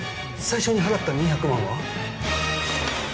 最初に払った２００万は？